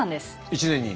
１年に。